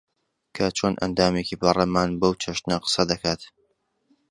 کە چۆن ئەندامێکی پەرلەمان بەو چەشنە قسە دەکات